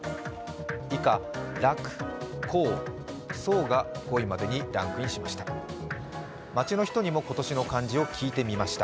以下、「楽」「高」「争」が５位までにランクインしました。